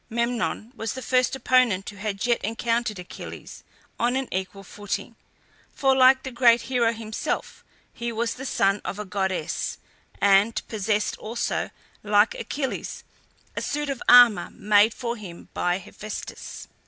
Memnon was the first opponent who had yet encountered Achilles on an equal footing; for like the great hero himself he was the son of a goddess, and possessed also, like Achilles, a suit of armour made for him by Hephaestus.